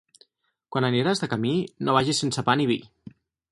Quan aniràs de camí, no vagis sense pa ni vi.